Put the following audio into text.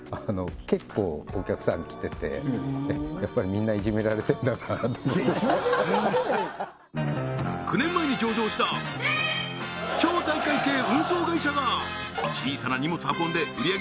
結構お客さん来ててやっぱりみんないじめられてんだなと思って９年前に上場した超体育会系運送会社が小さな荷物運んで売上げ